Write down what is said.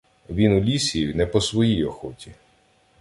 Він у лісі не по своїй охоті.